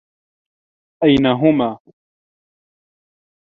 أين هما؟